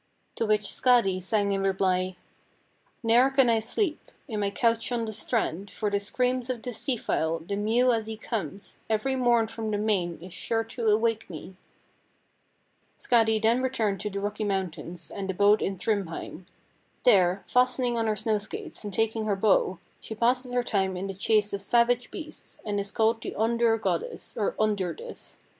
"To which Skadi sang in reply "'Ne'er can I sleep In my couch on the strand, For the screams of the sea fowl, The mew as he comes Every morn from the main Is sure to awake me.' "Skadi then returned to the rocky mountains, and abode in Thrymheim. There, fastening on her snow skates and taking her bow, she passes her time in the chase of savage beasts, and is called the Ondur goddess, or Ondurdis.